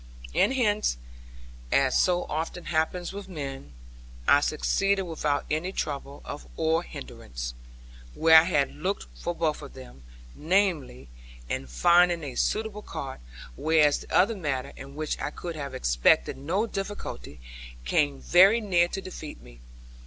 And here (as so often happens with men) I succeeded without any trouble or hindrance, where I had looked for both of them, namely, in finding a suitable cart; whereas the other matter, in which I could have expected no difficulty, came very near to defeat me.